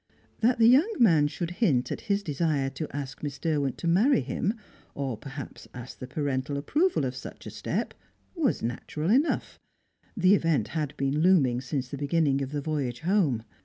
That the young man should hint at his desire to ask Miss Derwent to marry him, or perhaps ask the parental approval of such a step, was natural enough; the event had been looming since the beginning of the voyage home.